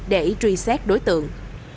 để truy xét đối tượng